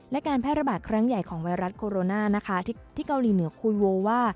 และการแพร่ระบาดครั้งใหญ่ของไวรัสโคโรนานะคะที่เกาหลีเหนือคุยโวว่า